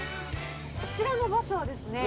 こちらのバスはですね